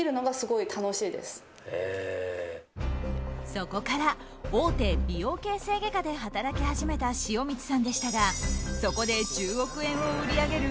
そこから大手美容形成外科で働き始めた塩満さんでしたがそこで１０億円を売り上げる